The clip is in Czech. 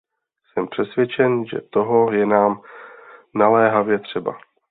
Jsem přesvědčen, že toho je nám naléhavě třeba.